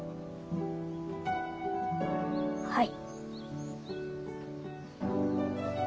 はい。